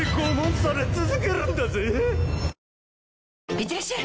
いってらっしゃい！